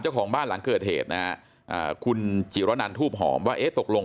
เจ้าของบ้านหลังเกิดเหตุคุณจิรณันท์ทูบหอมว่าตกลง